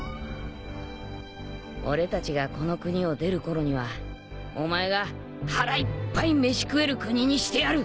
俺たちがこの国を出るころにはお前が腹いっぱい飯食える国にしてやる。